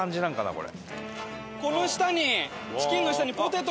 これ。